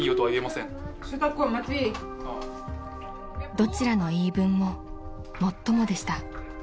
［どちらの言い分ももっともでした］